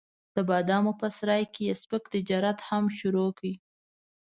د بادامو په سرای کې یې سپک تجارت هم شروع کړ.